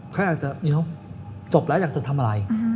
เขาอยากจะจบแล้วอยากจะทำอะไร